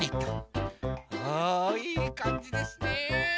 あいいかんじですね。